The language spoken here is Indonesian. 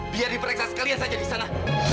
biar diperiksa sekalian saja disana